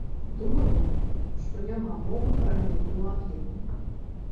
Думаю, што няма мовы пра нейкую адлігу.